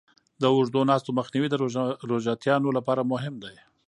د اوږدو ناستو مخنیوی د روژهتیانو لپاره مهم دی.